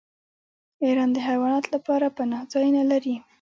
ایران د حیواناتو لپاره پناه ځایونه لري.